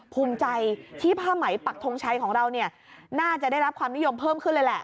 ภูมิใจที่ผ้าไหมปักทงชัยของเราเนี่ยน่าจะได้รับความนิยมเพิ่มขึ้นเลยแหละ